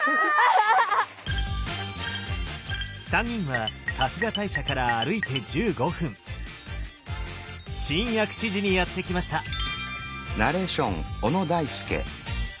３人は春日大社から歩いて１５分新薬師寺にやって来ました。